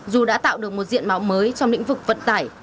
dù đã tạo được một diện máu mới trong lĩnh vực vận tải